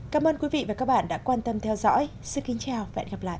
cảm ơn quý vị và các bạn đã quan tâm theo dõi xin kính chào và hẹn gặp lại